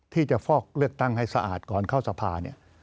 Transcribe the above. ที่จะฟอกเลือกตั้งให้สะอาดก่อนเข้าสภา